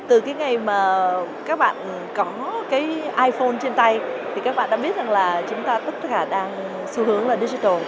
từ cái ngày mà các bạn có cái iphone trên tay thì các bạn đã biết rằng là chúng ta tất cả đang xu hướng là digital